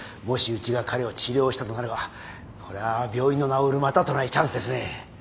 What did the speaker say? もしうちが彼を治療したとなればこれは病院の名を売るまたとないチャンスですね。